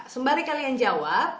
sembari kalian jawab